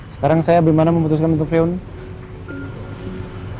sekarang saya bimana memutuskan untuk reuni